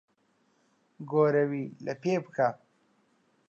گۆرەوی لەپێ بکە.